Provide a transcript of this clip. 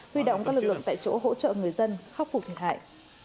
huy động các lực lượng tại chỗ hỗ trợ người dân khắc phục thiệt hại